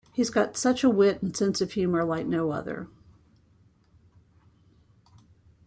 He's got such a wit and sense of humor like no other.